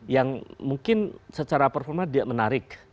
yang mungkin secara performa dia menarik